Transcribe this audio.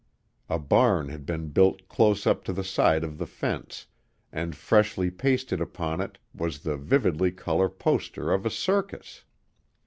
A barn had been built close up to the side of the fence, and freshly pasted upon it was the vividly colored poster of a circus.